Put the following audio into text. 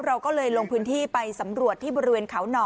เราก็เลยลงพื้นที่ไปสำรวจที่บริเวณเขาหน่อ